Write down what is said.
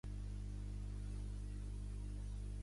I així Pilat i el mateix Messies.